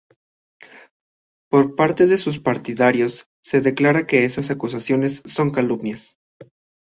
Por parte de sus partidarios, se declara que esas acusaciones son calumnias.